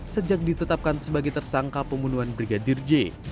sejak ditetapkan sebagai tersangka pembunuhan brigadir j